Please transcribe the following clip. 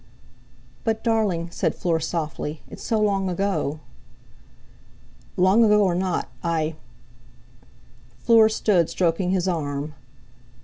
"But, darling," said Fleur, softly, "it's so long ago." "Long ago or not, I...." Fleur stood stroking his arm.